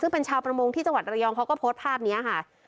ซึ่งเป็นชาวประมงที่จังหวัดระยองเขาก็โพสต์ภาพนี้ค่ะ